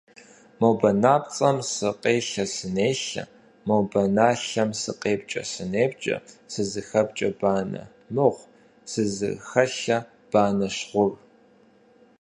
Мо банапцӀэм сыкъелъэ-сынелъэ, мо баналъэм сыкъепкӀэ-сынепкӀэ, сызыхэпкӀэ банэ мыгъу, сызыхэлъэ банэщ гъур.